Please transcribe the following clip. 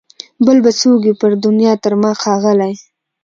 بل به څوک وي پر دنیا تر ما ښاغلی